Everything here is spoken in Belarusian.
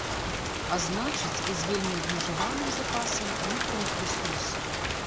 А значыць, і з вельмі абмежаваным запасам унутраных рэсурсаў.